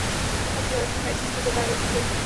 صبح کی روشنی ہر چیز کو جگا دیتی ہے۔